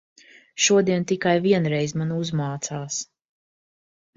Šodien tikai vienreiz man uzmācās.